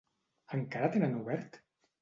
Encara tenen obert?